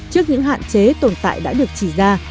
trước những hạn chế tồn tại đã được chỉ ra